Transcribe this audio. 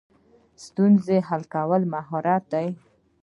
ستونزې حل کول مهارت دی